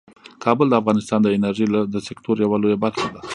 کابل د افغانستان د انرژۍ د سکتور یوه لویه برخه ده.